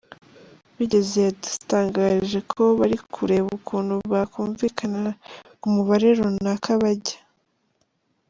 bigeze yadutangarije ko bari kureba ukuntu bakumvikana ku mubare runaka bajya.